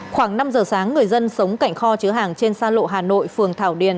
khoảng năm giờ sáng người dân sống cảnh kho chứa hàng trên sa lộ hà nội phường thảo điền